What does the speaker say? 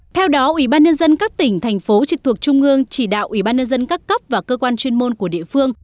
theo đó ủy ban nhân dân các tỉnh thành phố trực thuộc trung ương chỉ đạo ủy ban nhân dân các cấp và cơ quan chuyên môn của địa phương